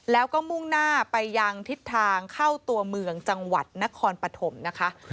แล้วก็มุ่งหน้าไปยังทิศทางเข้าตัวเมืองจังหวัดนครปฐมนะคะ